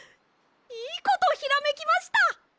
いいことひらめきました！